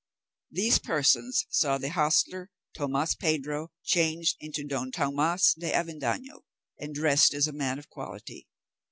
These persons saw the hostler Tomas Pedro changed into Don Tomas de Avendaño, and dressed as a man of quality.